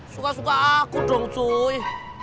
suka suka aku dong suih